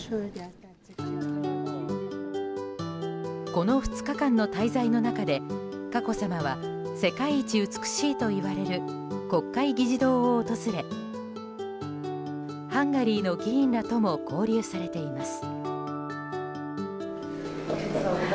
この２日間の滞在の中で佳子さまは世界一美しいといわれる国会議事堂を訪れハンガリーの議員らとも交流されています。